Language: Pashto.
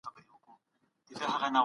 ځینې خلک تل په عجله کې وي.